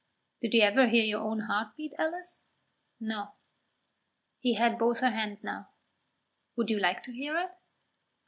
"Did you ever hear your own heart beat, Alice?" "No." He had both her hands now. "Would you like to hear it?"